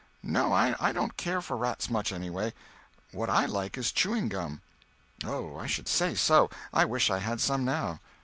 "No, I don't care for rats much, anyway. What I like is chewing gum." "Oh, I should say so! I wish I had some now."